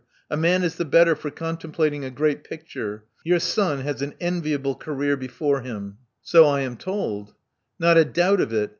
A man is the better for contem plating a great picture. Your son has an enviable career before him." Love Among the Artists 247 "So I am told.' Not a doubt of it.